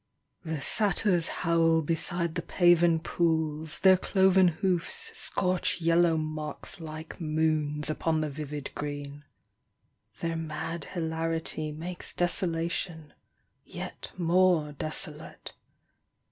THE satyrs howl beside the paven pools, Their cloven hoofs scorch yellow marks like moons Upon the vivid green. Their mad hilarity Makes desolation yet more desolate.